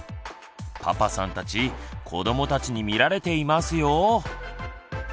パパさんたち子どもたちに見られていますよ。